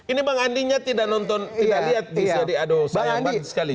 ini bang andinya tidak nonton tidak lihat bisa jadi aduh sayang banget sekali